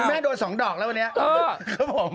คุณแม่โดดสองดอกแล้ววันเนี้ย